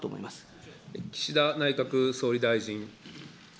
岸田内閣総理大臣。